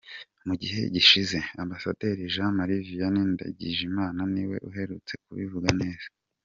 Mu gihe gishize, Ambassadeur Jean Marie Vianney Ndagijimana niwe uherutse kubivuga neza!